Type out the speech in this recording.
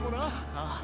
・ああ